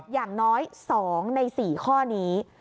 อย่างน้อย๒ใน๔ข้อนี้